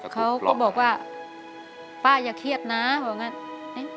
เขาก็บอกว่าป้าอย่าเครียดนะว่างั้นเนี่ย